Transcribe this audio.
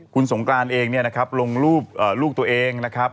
คุณสงการนี้เนี่ยนะครับลงรูปตัวเองนะครับ